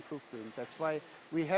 jadi sekarang kita harus mencari cara